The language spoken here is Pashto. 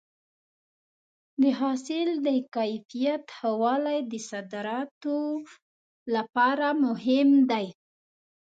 د حاصل د کیفیت ښه والی د صادراتو لپاره مهم دی.